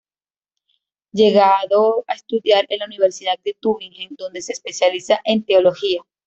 Llegando a estudiar en la Universidad de Tübingen, donde se especializa en teología.